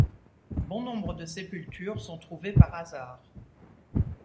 Bon nombre de sépultures sont trouvées par hasard.